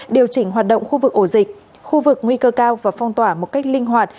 điều chỉnh hoạt động khu vực ổ dịch khu vực nguy cơ cao và phong tỏa một cách linh hoạt